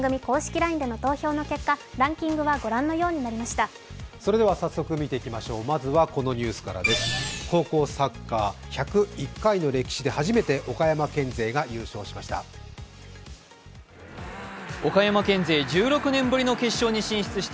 ＬＩＮＥでの投票の結果ランキングはご覧のようになりました。